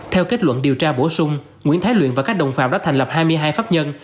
theo kết luận điều tra bổ sung nguyễn thái luyện và các đồng phạm đã thành lập hai mươi hai pháp nhân